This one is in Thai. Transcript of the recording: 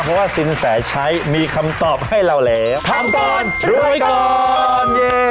เพราะว่าสินแสชัยมีคำตอบให้เราแล้วถามก่อนรวยก่อนเย่